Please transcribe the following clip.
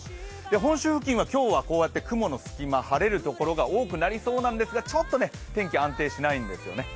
本州付近は今日はこうやって、雲の隙間、晴れるところが多くなりそうなんですがちょっと天気が安定しないんですよね。